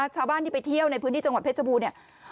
ชาวบ้านที่ไปเที่ยวในพื้นที่จังหวัดเพชรบูรณเนี่ย